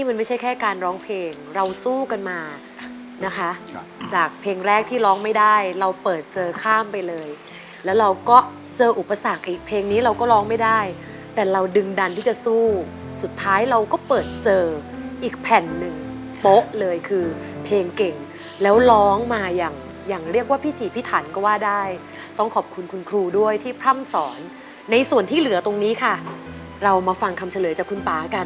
มันไม่ใช่แค่การร้องเพลงเราสู้กันมานะคะจากเพลงแรกที่ร้องไม่ได้เราเปิดเจอข้ามไปเลยแล้วเราก็เจออุปสรรคอีกเพลงนี้เราก็ร้องไม่ได้แต่เราดึงดันที่จะสู้สุดท้ายเราก็เปิดเจออีกแผ่นหนึ่งโป๊ะเลยคือเพลงเก่งแล้วร้องมาอย่างอย่างเรียกว่าพิถีพิถันก็ว่าได้ต้องขอบคุณคุณครูด้วยที่พร่ำสอนในส่วนที่เหลือตรงนี้ค่ะเรามาฟังคำเฉลยจากคุณป่ากัน